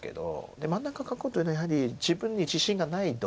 で真ん中囲うというのはやはり自分に自信がないと。